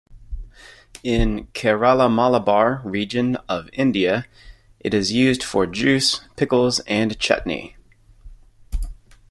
In Kerala Malabar region of India, it is used for juice, pickles and chutney.